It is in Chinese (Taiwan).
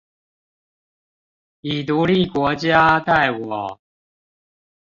以獨立國家待我